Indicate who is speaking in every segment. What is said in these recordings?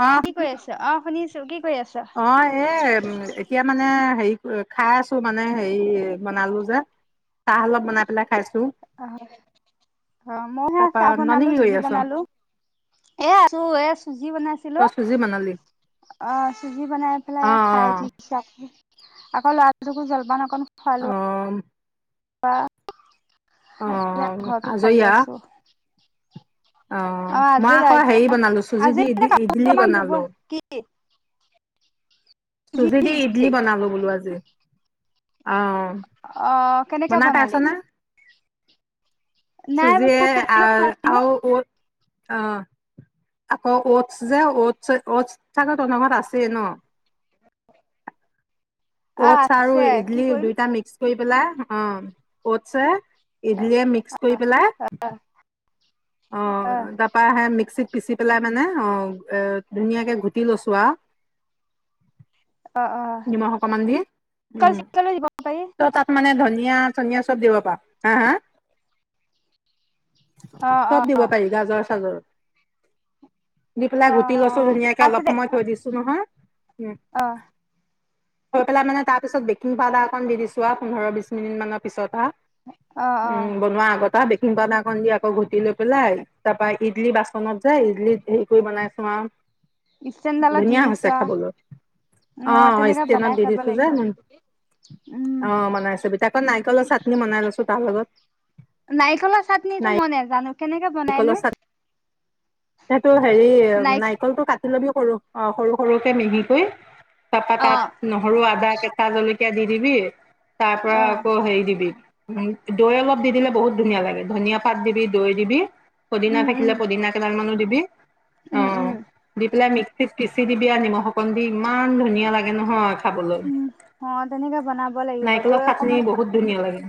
Speaker 1: অ',
Speaker 2: কি কৰি আছ অ শুনিছো ি [inaudible] [inaudible]
Speaker 1: অ এ এতিয়া মানে হেৰি খাই আছো মানে হেৰি বনালো যে চাহ অলপ বনাই পেলাই খাইছো
Speaker 2: অ অ মইহে
Speaker 1: তাৰপা
Speaker 2: চাহ
Speaker 1: ননী
Speaker 2: বনালো
Speaker 1: কি কৰি
Speaker 2: চুজি
Speaker 1: আছ?
Speaker 2: বনালো এ আছো এ চুজি বনাইছো হেল্ল
Speaker 1: তই চুজি বনালি
Speaker 2: অ চুৰজি বনাই
Speaker 1: অ',
Speaker 2: পেলাই খাই
Speaker 1: অ',
Speaker 2: উঠিছো আক ল'ৰাটোকো জলপান অকণমান খোৱালো
Speaker 1: অ',
Speaker 2: অ খাই
Speaker 1: অ',
Speaker 2: পেলায় ঘৰতো
Speaker 1: আজৰি
Speaker 2: সাৰি
Speaker 1: আও
Speaker 2: আছো
Speaker 1: অ মই
Speaker 2: আজৰি
Speaker 1: আকৌ
Speaker 2: আৰু এতিয়া
Speaker 1: হেৰি বনালো চুজি
Speaker 2: আজি
Speaker 1: দি
Speaker 2: মানে
Speaker 1: ই
Speaker 2: কাপোৰ
Speaker 1: ইডলি
Speaker 2: অলপমান ধুব
Speaker 1: বনালো
Speaker 2: কি
Speaker 1: চুজি দি ইডলি বনালো বোলো আজি অহ
Speaker 2: অ কেনেকে বনালি? নাই
Speaker 1: চুজিয়ে আ
Speaker 2: বনালো
Speaker 1: আৰু অটছ অ আক অটছ যে অটছ থাকে তহঁতৰ ঘৰত আছে ন
Speaker 2: অ
Speaker 1: অটছ আৰু
Speaker 2: আছে কি
Speaker 1: ইডলি
Speaker 2: কৰিম
Speaker 1: দুইটা মিক্স কৰি পেলাই অ অটছে ইডলিয়ে মিক্স কৰি পেলাই অ তাৰ পৰা আহে মিক্সিত। পিচি পেলাই মানে অ এ ধুনীয়াকে ঘুটি লৈছো আৰু।
Speaker 2: অ
Speaker 1: নিমখ অকমান দি উম
Speaker 2: অ দিব পাৰি
Speaker 1: ত তাত মানে ধনীয়া ধনিয়া চনিয়া চব দিব পাৰ হা হা।
Speaker 2: অ অ
Speaker 1: চব দিব পাৰি গাজৰ চাজৰ। দি পেলাই
Speaker 2: অ
Speaker 1: ঘুটি
Speaker 2: অ
Speaker 1: লৈছো ধুনীয়াকে অলপ সময় থৈ দিছো নহয়। উম
Speaker 2: আহ।
Speaker 1: থৈ পেলাই মানে তাৰ পিছত বেকিং পাউদাৰ অকন দিছো আৰু পোন্ধৰ বিশ মিনিট মানৰ পিছত আ।
Speaker 2: অ অ
Speaker 1: উম বনোৱা আগতা দেখ পাউদাৰকণ দি আকৌ ঘুটি লৈ পেলাই তাৰ পৰাা ইডলি বাচনত যাই ইডলিত হেৰি কৰি বনাইচো আৰু।
Speaker 2: ইষ্টেণ্ডডালত দি
Speaker 1: ধুনীয়া
Speaker 2: দিছ
Speaker 1: হৈছে খাবলৈ।
Speaker 2: অ
Speaker 1: অহ-অহ
Speaker 2: তেনেকে
Speaker 1: ষ্টেনত
Speaker 2: বনাই
Speaker 1: দি
Speaker 2: চাব
Speaker 1: দিছো যে।
Speaker 2: লাগিব উম
Speaker 1: অহ বনাই চাবি তাৰ পা নাৰিকলৰ চাটনি বনাই লৈছো তাৰ লগত।
Speaker 2: নাৰিকলৰ চাটনিটো মই নেজানো। কেনেকে বনাইনো?
Speaker 1: টো হেৰি
Speaker 2: নাইক
Speaker 1: নাৰিকলটো কাটি [unintelligible] কৰু অ সৰু সৰুকে মিহি কৰি। তাৰ পা
Speaker 2: অ
Speaker 1: তাত নহৰু আদা। কেচা জলকীয়া দি দিবি। তাৰ পৰা
Speaker 2: অ
Speaker 1: আকৌ হেৰি দিবি। দৈ অলপ দি দিলে বহুত ধুনীয়া লাগে, ধনীয়া পাত দিবি দৈ দিবি। পদিনা
Speaker 2: উম উম
Speaker 1: থাকিলে পদিনা মানু দিবি। অ
Speaker 2: উম উম
Speaker 1: দিপেলাই মিক্স পিচি দিবি আৰু নিমখ অকণ দি ইমান ধুনীয়া লাগে নহয়। খাবলৈ,
Speaker 2: উম অ তেনেকে বনাব লাগিব
Speaker 1: নাৰিকলৰ
Speaker 2: দৈ
Speaker 1: চাটনি
Speaker 2: অকমান
Speaker 1: বহুত ধুনীয়া লাগে।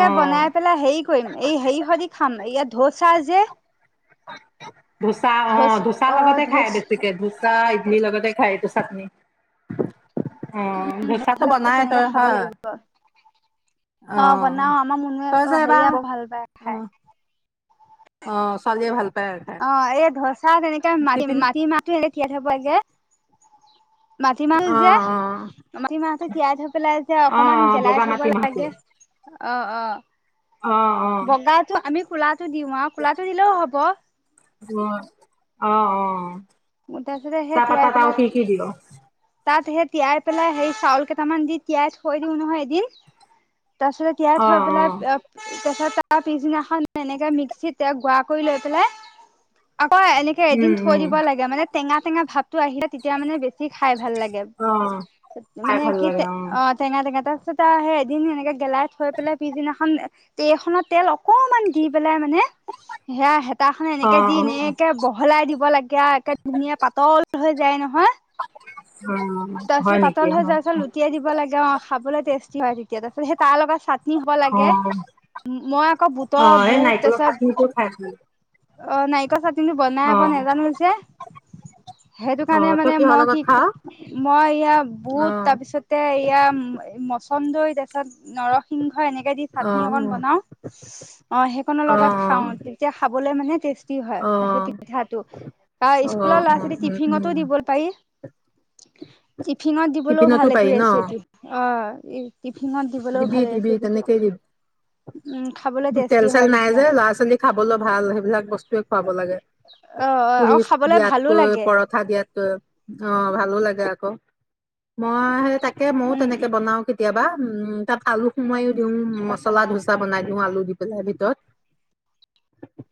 Speaker 1: অ
Speaker 2: বনাই পেলাই হেৰি কৰিম এই হেৰি সেইদি খাম ইয়া ঢৌচা যে।
Speaker 1: ধোচা অ
Speaker 2: ধচ
Speaker 1: ধোচা
Speaker 2: অ
Speaker 1: লগতে খাই
Speaker 2: ধচ
Speaker 1: বেছিকে ধোচা, ইডলি লগতে। খাই এইটো চাটনি। অ
Speaker 2: ধচা
Speaker 1: ধোচাটো বনাইএ
Speaker 2: তেনেকে
Speaker 1: তই
Speaker 2: খাব
Speaker 1: হয়,
Speaker 2: লাগিব অ
Speaker 1: অহ
Speaker 2: বনাও আমাৰ মুনুৱে
Speaker 1: তই
Speaker 2: অ
Speaker 1: যে এইবাৰ
Speaker 2: হেৰিয়া বৰ ভাল পায় খাই
Speaker 1: অহ অ ছোৱালীয়ে ভাল পায় আৰু খাই।
Speaker 2: চাহ তেনেকে
Speaker 1: টিফিন
Speaker 2: মা [unintelligible] বাগে [unintelligible] মাটি মাহ
Speaker 1: অ
Speaker 2: যে,
Speaker 1: অ
Speaker 2: মাটিমাহতে তিয়াই থৈ পেলাই যে
Speaker 1: অ
Speaker 2: অকমান গেলাই
Speaker 1: বগা
Speaker 2: থব
Speaker 1: মাটি মাহটো
Speaker 2: লাগে। অহ-অহ
Speaker 1: অ অ
Speaker 2: বগা জো আমি খলাত টো দিওঁ আৰু কোলাটো দিলেও হ'ব।
Speaker 1: অহ-অহ
Speaker 2: ম তাপিছতে সেই তিয়াই পেলাই তাত সেই তিয়াই পেলাই হেৰি, চাউল কেইটামান দি তিয়াই থৈ দিওঁ নহয় এদিন। তাপিছতে তিয়াই
Speaker 1: অ
Speaker 2: থৈ
Speaker 1: অ
Speaker 2: পেলাই তাপাছত, তাৰ পিছদিনাখন এনেকে মিক্সিত তে গুৰা কৰি লৈ পেলাই আকৌ এনেকে এদিন
Speaker 1: উম
Speaker 2: থৈ
Speaker 1: উম
Speaker 2: দিব লাগে। তেতিয়া মানে টেঙা-টেঙা ভাবটো আহিলে, তেতিয়া মানে বেছি খাই ভাল লাগে।
Speaker 1: অ খাই
Speaker 2: মানে
Speaker 1: ভাল
Speaker 2: কি,
Speaker 1: লাগে
Speaker 2: অ' টেঙা-টেঙা ত ত তাৰ সেই এদিন সেনেকে গেলাই থৈ পেলাই পিছদিনাখন, তে এ খনত তেল অকনমান দি পেলাই নে, সেয়া হেতাখনে
Speaker 1: অ
Speaker 2: এনেকে দি
Speaker 1: অ
Speaker 2: এনেকে বহলাই দিব লাগে আও কে ধুনীয়া পাতল হৈ যায় ন হা,
Speaker 1: অ
Speaker 2: তাপিছত
Speaker 1: হয় নেকি
Speaker 2: পাতল
Speaker 1: অ
Speaker 2: হৈ যোৱাৰ পিছত লুটিয়াই দিব লাগে আও খাবলৈ টেষ্টি হয় তেতিয়া তাৰপিছত, সেই তালগত চাটনি হ'ব
Speaker 1: অ
Speaker 2: লাগে। মই আকৌ
Speaker 1: অ এই
Speaker 2: বুটৰ-বুট
Speaker 1: নাৰিকলৰ
Speaker 2: তাৰপিছত
Speaker 1: চাটনিটো খাই ভাল লাগে।
Speaker 2: অ' নাইকলৰ ছাট কিন্তু বনাই
Speaker 1: অ
Speaker 2: আব নাজানো যে?
Speaker 1: অ
Speaker 2: সেইটোকাৰণে
Speaker 1: তই
Speaker 2: মানে
Speaker 1: কিহৰ
Speaker 2: মই
Speaker 1: লগত
Speaker 2: কি-ক,
Speaker 1: খাৱ
Speaker 2: মই ইয়া
Speaker 1: অ
Speaker 2: বুট তাৰপিছতে এয়া ম- মছলা কন্দৈ, তাৰপিছত নৰসিংহ হয় এনেকে দি
Speaker 1: অ
Speaker 2: চাটনি অকণ বনাও। অ' সেইকনৰ
Speaker 1: অ
Speaker 2: লগত
Speaker 1: অ
Speaker 2: খাও, তেতিয়া খাবলে মানে টেষ্ট কি হয়
Speaker 1: অ
Speaker 2: সেই পিঠাটো?
Speaker 1: অ অ
Speaker 2: স্কুলৰ ল'ৰা-ছোৱালীক
Speaker 1: উম উম
Speaker 2: টিফিনতো দিব পাৰি। টিফিনত দিবলৈও
Speaker 1: টিফিনতো
Speaker 2: ভাল এইটো
Speaker 1: পাৰি ন
Speaker 2: ৰেচিপি। অ'। অ' ই
Speaker 1: দিবি দিবি তেনেকেই
Speaker 2: উম খাবলৈ
Speaker 1: দিবি।
Speaker 2: টেষ্টি হয়
Speaker 1: তেল-চেল নাই
Speaker 2: তেতিয়া অ
Speaker 1: যে ল'ৰা-ছোৱালীৰ খাবলৈ ভাল, সেইবিলাক বস্তুয়ে খুৱাব লাগে।
Speaker 2: অ
Speaker 1: পুৰি
Speaker 2: আৰু খাবলে ভালো
Speaker 1: দিয়াতকৈ,
Speaker 2: লাগে
Speaker 1: পৰঠা দিয়াতকৈ। অ'। অ' ভালো লাগে আকৌ। মই সেই তাকে ময়ো
Speaker 2: উম
Speaker 1: তেনেকে বনাও কেতিয়াবা। উম, তাত আলু সোমাই দিওঁ মছলা-ধোচা বনাই দি আলু দি পেলাই ভিতৰত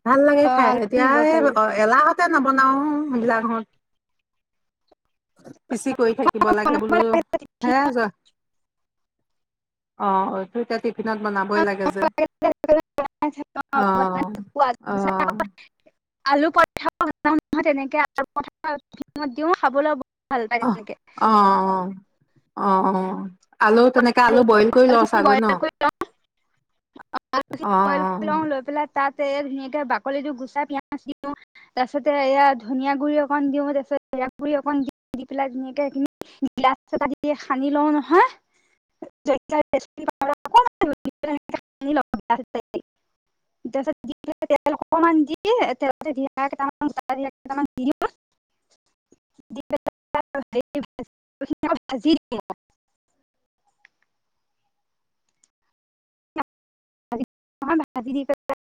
Speaker 1: ভাল লাগে
Speaker 2: অ
Speaker 1: খাই,
Speaker 2: আলু
Speaker 1: এতিয়া
Speaker 2: দিব
Speaker 1: অ' এলাহত তে নবনাও, [unintelligible] পিচি কৰি থাকিব লাগে বোলো,
Speaker 2: পাৰি
Speaker 1: হে যোৱা। অ' অ' পিনত বনাবই লাগে যে। অ', অ'।
Speaker 2: আলু পৰঠাও [unintelligible] এনেকে [unintelligible] ত দিওঁ। খাবলৈ বৰ ভাল পায়
Speaker 1: অ',
Speaker 2: তেনেকে।
Speaker 1: অ'-অ'-অ'। অ' - অ'। আলু তেনেকে আলু বইল
Speaker 2: [unintelligible]
Speaker 1: কৰি লছ
Speaker 2: আলুখিনি
Speaker 1: আগৈ ন?
Speaker 2: বইল কৰি লওঁ। [unintelligible]
Speaker 1: অ', অ'।
Speaker 2: লৈ পেলাই তাত তে ধুনীয়াকে বাকলিটো গুচাই পিয়াজ দিওঁ। তাৰ পিছতে এয়া ধনিয়া গুৰি অকন দিওঁ। তাৰ পিছত সেয়া গুৰি অকন দি, দি পেলাই ধুনীয়াকে সেইখিনি গিলাচ এটা দি সানি লওঁ নহয়। [unintelligible] [inaudible] অকমান ভাজি [unintelligible]